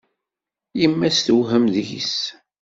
Yemma-s tewhem deg-s.